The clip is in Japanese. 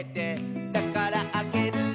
「だからあげるね」